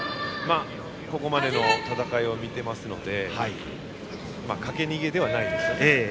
ここまでの戦いを見ていますのでかけ逃げではないですよね。